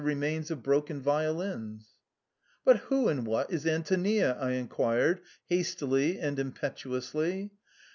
remains of broken violins." " But who and what is Antonia?" I inquired, hastily and impetuously.